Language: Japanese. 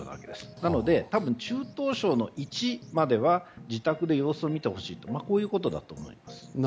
なのでたぶん中等症の１までは自宅で様子を見てほしいこういうことだと思います。